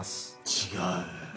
違う。